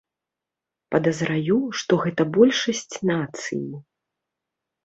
Падазраю, што гэта большасць нацыі.